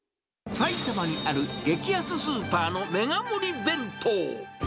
埼玉にある激安スーパーのメガ盛り弁当。